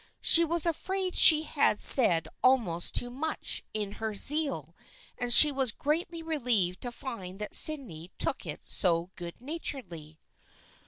She was afraid she had said almost too much in her zeal, and she was greatly relieved to find that Sydney took it so good naturedly.